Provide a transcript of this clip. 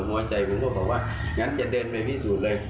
หัวใจคุณยุบอกว่าอย่างนั้นจะเดินไปพิสูจน์เลย